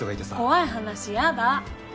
怖い話やだ。